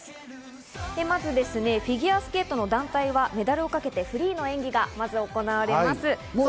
まず、フィギュアスケートの団体はメダルをかけてフリーの演技が行われます。